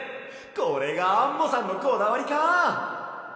これがアンモさんのこだわりか！